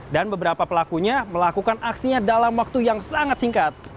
dan beberapa pelakunya melakukan aksinya dalam waktu yang sangat singkat